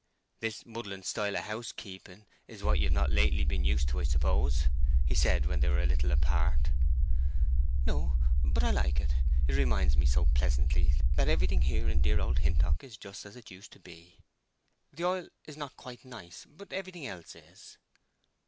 "This muddling style of house keeping is what you've not lately been used to, I suppose?" he said, when they were a little apart. "No; but I like it; it reminds me so pleasantly that everything here in dear old Hintock is just as it used to be. The oil is—not quite nice; but everything else is."